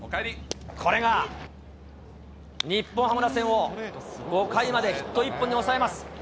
これが日本ハム打線を５回までヒット１本に抑えます。